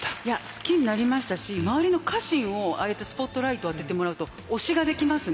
好きになりましたし周りの家臣をああやってスポットライト当ててもらうと推しができますね。